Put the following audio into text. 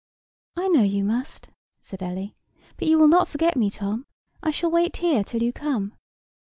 "I know you must," said Ellie; "but you will not forget me, Tom. I shall wait here till you come."